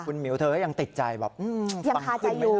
คุณหมิวเธอก็ยังติดใจแบบยังหาใจอยู่